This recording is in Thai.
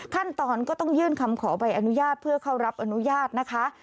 ขั้นตอนก็ต้องยื่นคำขอใบอนุญาตเพื่อเข้ารับอนุญาตนะคะ